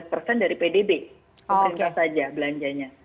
pemerintah saja belanjanya